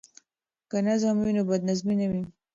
که نظم وي نو بد نظمي نه وي.